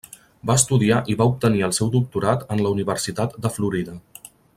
Va estudiar i va obtenir el seu doctorat en la Universitat de Florida.